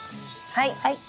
はい。